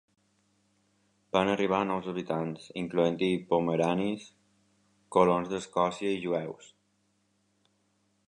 Van arribar nous habitants, incloent-hi pomeranis, colons d'Escòcia i jueus.